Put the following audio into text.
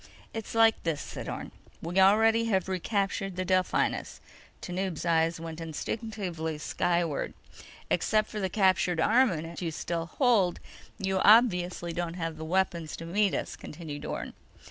_ "It's like this," said Orne. "We already have recaptured the Delphinus." Tanub's eyes went instinctively skyward. "Except for the captured armament you still hold, you obviously don't have the weapons to meet us," continued Orne.